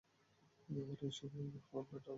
আর এই সময়ে, আমরা আপনার ঢাল হব।